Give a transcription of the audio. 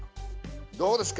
どうですか？